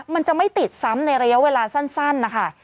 มันจะไม่ติดซ้ำในระยะเวลาสั้นนะคะ